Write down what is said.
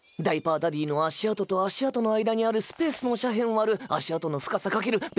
ダイパー・ダディーの足跡と足跡の間にあるスペースの斜辺割る足跡の深さかける